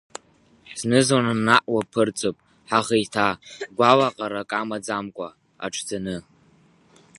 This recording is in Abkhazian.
Зны-зынла наҟ уаԥырҵып, ҳаӷеиҭа, гәалаҟарак амаӡамкәа, аҽӡаны.